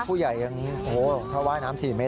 ผู้ใหญ่อย่างนี้